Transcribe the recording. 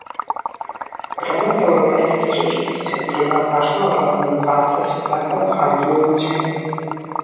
Parlament Europejski rzeczywiście odgrywa ważną rolę w walce z plagą handlu ludźmi